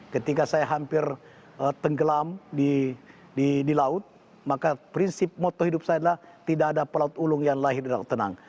ketika saya hampir tenggelam di laut maka prinsip moto hidup saya adalah tidak ada pelaut ulung yang lahir di laut tenang